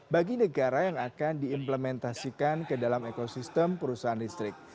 bagi negara yang akan diimplementasikan ke dalam ekosistem perusahaan listrik